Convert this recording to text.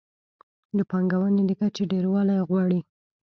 د پانګونې د کچې ډېروالی غواړي.